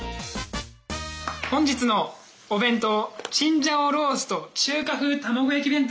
本日のお弁当チンジャオロースーと中華風卵焼き